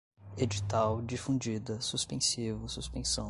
edital, difundida, suspensivo, suspensão